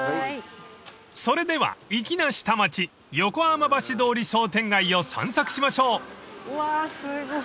［それでは「いきな下町」横浜橋通商店街を散策しましょう］うわすごい。